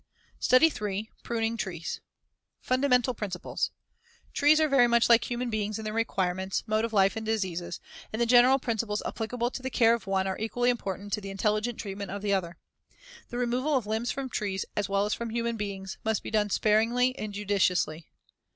STUDY III. PRUNING TREES FUNDAMENTAL PRINCIPLES Trees are very much like human beings in their requirements, mode of life and diseases, and the general principles applicable to the care of one are equally important to the intelligent treatment of the other. The removal of limbs from trees, as well as from human beings, must be done sparingly and judiciously.